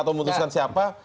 atau memutuskan siapa